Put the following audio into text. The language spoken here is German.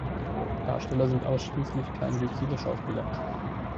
Darsteller sind ausschließlich kleinwüchsige Schauspieler.